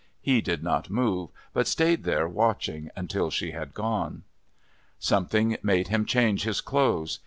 He did not move, but stayed there watching until she had gone. Something made him change his clothes.